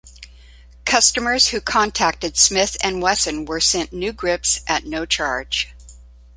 Customers who contacted Smith and Wesson were sent new grips at no charge.